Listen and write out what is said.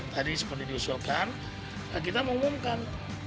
tadi seperti diusulkan kita mengumumkan